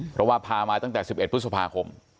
เพราะว่าพามาตั้งแต่๑๑พฤษภาคม